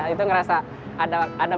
itu ngerasa ada memuaskan